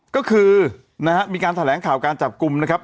ก็คือนะฮะมีการแถลงข่าวการจับกลุ่มนะครับ